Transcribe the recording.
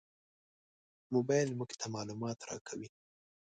موبایل موږ ته معلومات راکوي.